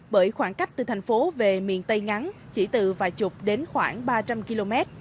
bởi khoảng cách từ thành phố về miền tây ngắn chỉ từ vài chục đến khoảng ba trăm linh km